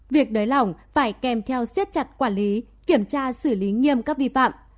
việc đới lỏng phải kèm theo xét chặt quản lý kiểm tra xử lý nghiêm cấp vi phạm